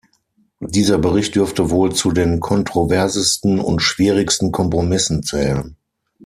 Dieser Bericht dürfte wohl zu den kontroversesten und schwierigsten Kompromissen zählen.